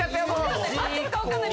合ってるか分かんない。